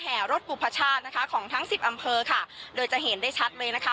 รถบุพชาตินะคะของทั้งสิบอำเภอค่ะโดยจะเห็นได้ชัดเลยนะคะ